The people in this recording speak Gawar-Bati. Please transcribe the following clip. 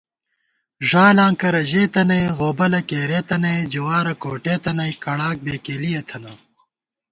ݫالاں کرہ ژېتہ نئ غوبلَہ کېرېتہ نئ جوارَہ کوٹېتہ نئ کڑاک بېکېلِیَہ تھنہ